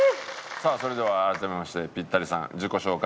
さあそれでは改めましてピッタリさん自己紹介